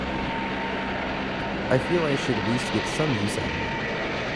I feel I should at least get some use out of it.